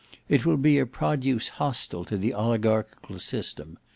It will be a produce hostile to the oligarchical system.